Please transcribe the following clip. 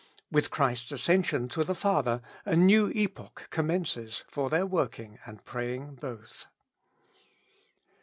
With Christ's ascension to the Father a new epoch commences for their working and praying both.